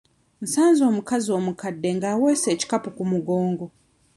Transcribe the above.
Nsanze omukazi omukadde nga aweese ekikapu ku mugongo.